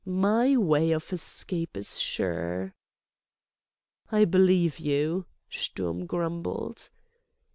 My way of escape is sure." "I believe you," Sturm grumbled.